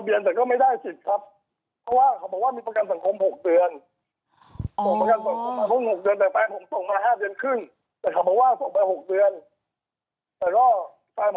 พี่พันธุ์ธเขาบอกว่าให้ให้เราอุดทนเราอุดทน